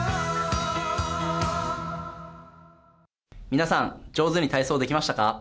皆さん、上手に体操できましたか？